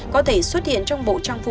có thể xuất hiện trong bộ trang phim